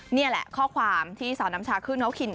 เนี่ยแหละข้อความที่สาวน้ำชาขึ้น